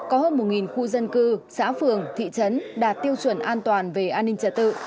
có hơn một khu dân cư xã phường thị trấn đạt tiêu chuẩn an toàn về an ninh trật tự